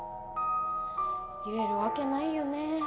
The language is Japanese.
言えるわけないよね。